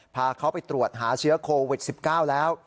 พาเขาไปตรวจหาเชื้อโควิด๑๙แล้ว